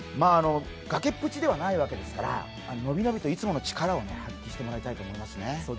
崖っぷちではないわけですから、伸び伸びといつもの力を見せてもらいたいと思いますね。